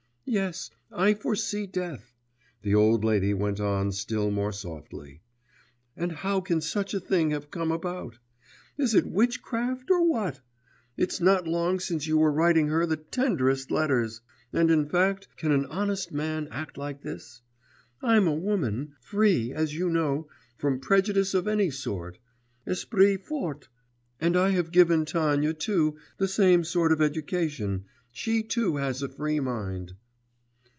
'Yes, I foresee death,' the old lady went on still more softly. 'And how can such a thing have come about? Is it witchcraft, or what? It's not long since you were writing her the tenderest letters. And in fact can an honest man act like this? I'm a woman, free, as you know, from prejudice of any sort, esprit fort, and I have given Tanya too the same sort of education, she too has a free mind....